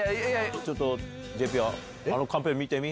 ちょっとＪＰあのカンペ見てみ。